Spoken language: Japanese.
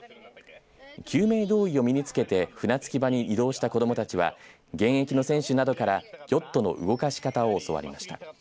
救命胴衣を身に付けて船着き場に移動した子どもたちは現役の選手などからヨットの動かし方を教わりました。